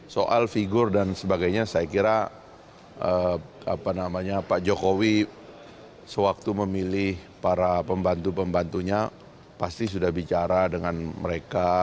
soal figur dan sebagainya saya kira pak jokowi sewaktu memilih para pembantu pembantunya pasti sudah bicara dengan mereka